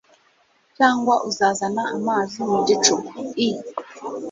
cyangwa uzazana amazi mu gicuku? i